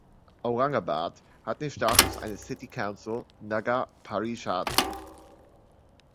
Aurangabad hat den Status eines City Council ("Nagar parishad").